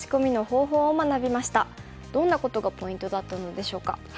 どんなことがポイントだったのでしょうか。